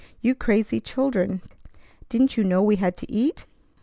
"You crazy children! Didn't you know we had to eat?